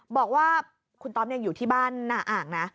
บอกว่าคุณต๊อปอยู่ที่บ้านหน้าอ่างนะ